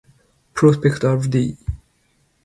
Prospect Rd.